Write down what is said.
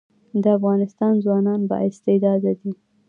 د افغانستان ځوانان با استعداده دي